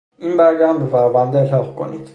این برگه هم به پرونده الحاق کنید.